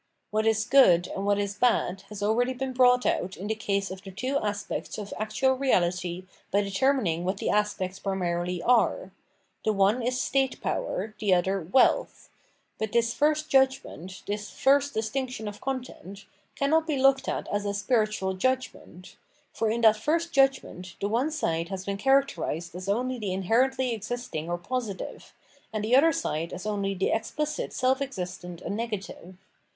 What is Good and what is Bad has already been brought out in the case of the two aspects of actual reahty by determin ing what the aspects primarily are; the one is state power, the other wealth. But this first judgment, this first distinction of content, cannot be looked at as a " spiritual " judgment ; for in that first judgment the one side has been characterised as only the inherently existing or positive, and the other side , as only the e35)hcit self existent and negative.